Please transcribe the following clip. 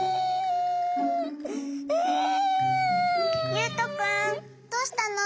ゆうとくんどうしたの？